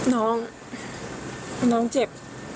น้องเดอะน้องเจ็บ